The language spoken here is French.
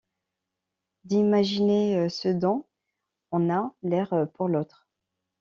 D'imaginer ce dont on a l'air pour l'autre.